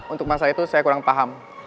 untuk masalah itu saya kurang paham